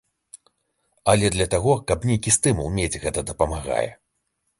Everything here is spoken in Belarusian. Але для таго, каб нейкі стымул мець, гэта дапамагае.